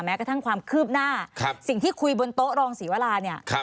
กระทั่งความคืบหน้าสิ่งที่คุยบนโต๊ะรองศรีวราเนี่ย